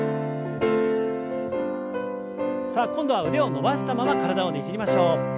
さあ今度は腕を伸ばしたまま体をねじりましょう。